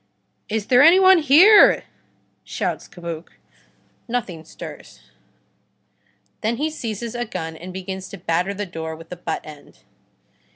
"Is there any one here?" shouts Cabuc. Nothing stirs. Then he seizes a gun and begins to batter the door with the butt end.